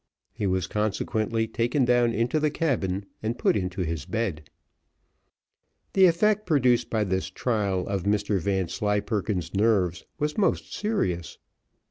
He was consequently taken down into the cabin and put into his bed. The effect produced by this trial of Mr Vanslyperken's nerves, was most serious.